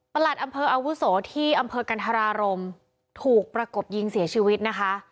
หลัดอำเภออาวุโสที่อำเภอกันธรารมถูกประกบยิงเสียชีวิตนะคะ